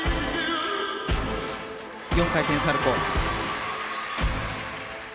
４回転サルコウ。